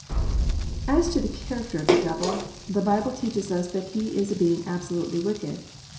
_As to the character of the Devil, the Bible teaches us that he is a being absolutely wicked.